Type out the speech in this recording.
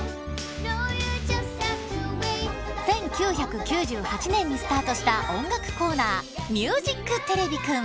１９９８年にスタートした音楽コーナー「ミュージックてれびくん」。